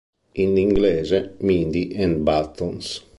In inglese "Mindy and Buttons".